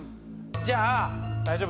じゃあ。